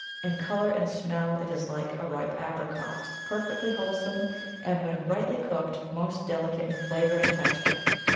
In colour and smell it is like a ripe apricot, perfectly wholesome, and, when rightly cooked, most delicate in flavour and texture.